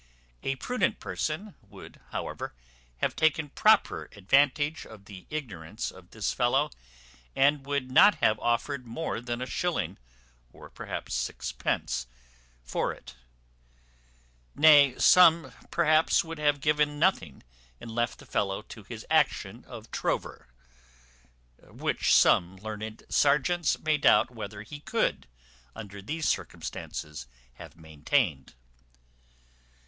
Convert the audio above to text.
A prudent person would, however, have taken proper advantage of the ignorance of this fellow, and would not have offered more than a shilling, or perhaps sixpence, for it; nay, some perhaps would have given nothing, and left the fellow to his action of trover, which some learned serjeants may doubt whether he could, under these circumstances, have maintained.